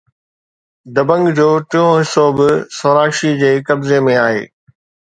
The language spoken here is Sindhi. دبنگ جو ٽيون حصو به سوناکشي جي قبضي ۾ آهي